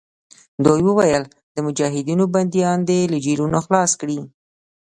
دوی ویل د مجاهدینو بندیان دې له جېلونو خلاص کړي.